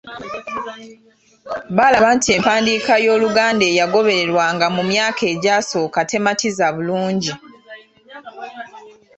Baalaba nti empandiika y’Oluganda eyagobererwanga mu myaka egyasooka tematiza bulungi.